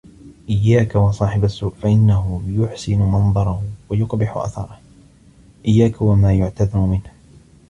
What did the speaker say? إياك وصاحب السوء فإنه يحسن منظره ويقبح أثره إياك وما يعتذر منه